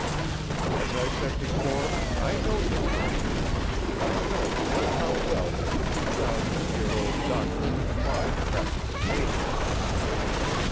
As I said before, I know your breed, and I know just how well your two thousand year old doctrines apply to practical cases.